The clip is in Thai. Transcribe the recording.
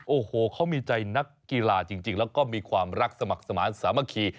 โอ้โหเขามีใจนักกีฬาจริงแล้วก็มีความรักสมัครสมาธิสามัคคี